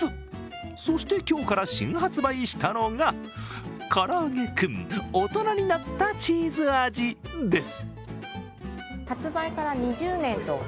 そして今日から新発売したのがからあげクン大人になったチーズ味です。